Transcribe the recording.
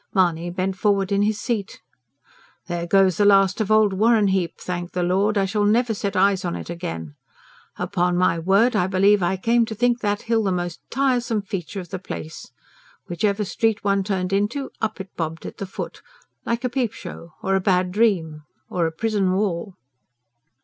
Mahony bent forward in his seat. "There goes the last of old Warrenheip. Thank the Lord, I shall never set eyes on it again. Upon my word, I believe I came to think that hill the most tiresome feature of the place. Whatever street one turned into, up it bobbed at the foot. Like a peep show ... or a bad dream ... or a prison wall."